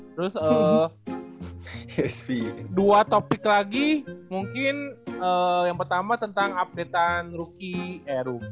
terus dua topik lagi mungkin yang pertama tentang updatean rookie eh rugi apa